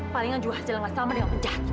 palingan juga hasilnya gak sama dengan penjahat itu